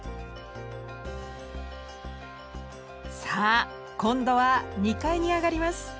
さあ今度は２階に上がります。